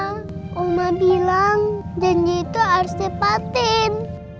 mama bilang janji itu harus ditepatin